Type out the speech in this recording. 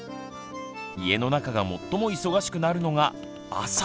家の中が最も忙しくなるのが「朝」。